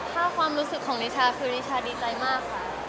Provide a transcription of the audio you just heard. ถ้าความรู้สึกของนิชะรีชาดีใจมาก